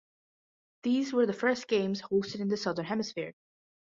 These were the first Games hosted in the southern hemisphere.